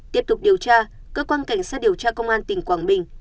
tiếp tục điều tra cơ quan cảnh sát điều tra công an tỉnh quảng bình